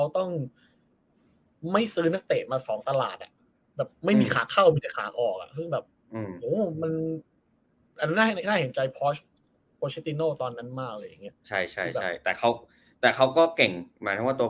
ตอนนั้นมากอะไรอย่างเงี้ยใช่ใช่ใช่แต่เขาแต่เขาก็เก่งหมายถึงว่าตัว